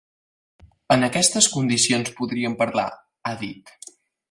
En aquestes condicions, podríem parlar, ha dit.